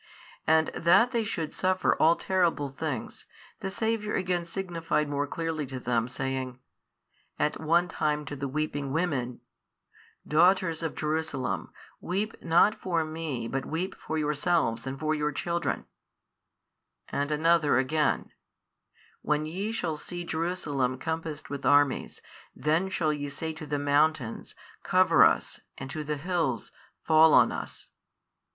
And that they should suffer all terrible things, the Saviour again signified more |602 clearly to them saying, at one time to the weeping women, Daughters of Jerusalem, weep not for Me but weep for yourselves and for your children, at another again, When ye shall see Jerusalem compassed with armies, then shall ye say to the mountains, Cover us and to the hills, Fall on us 20.